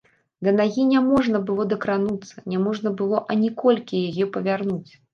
Да нагі няможна было дакрануцца, няможна было ані колькі яе павярнуць.